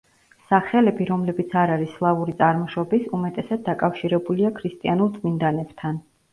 სახელები, რომლებიც არ არის სლავური წარმოშობის უმეტესად დაკავშირებულია ქრისტიანულ წმინდანებთან.